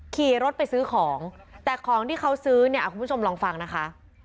ขี่รถไปซื้อของแต่ของที่เขาซื้อเนี่ยคุณผู้ชมลองฟังนะคะ